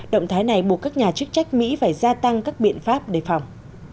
động thái này buộc các nhà chức trách mỹ phải gia tăng các biện pháp đề phòng